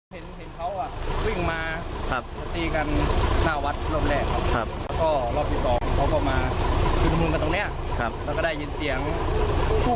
คุณผู้ชมที่สุดก็รู้สึกเหล่าไปสุด